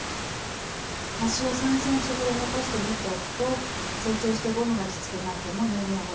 端を３ｃｍほど残して縫っておくと成長してゴムがきつくなっても縫い目をほどいて調整できます。